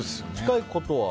近いことは。